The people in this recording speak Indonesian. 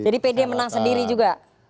jadi pdi menang sendiri juga